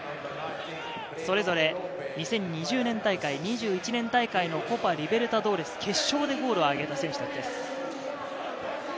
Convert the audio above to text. それぞれ２０２０年大会、２１年大会のコパ・リベルタドーレス決勝でゴールを挙げた選手たちです。